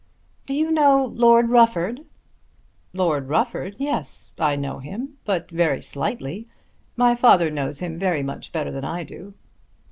"Do you know Lord Rufford?" "Lord Rufford! Yes; I know him; but very slightly. My father knows him very much better than I do."